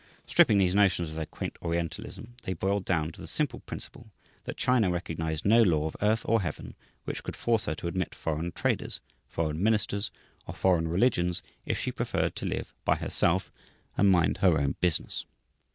Stripping these notions of their quaint Orientalism, they boiled down to the simple principle that China recognized no law of earth or heaven which could force her to admit foreign traders, foreign ministers, or foreign religions if she preferred to live by herself and mind her own business.